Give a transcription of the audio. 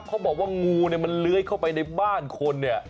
เขาบอกว่างูเนี่ยมันเลื้อยเข้าไปในบ้านคนเนี่ย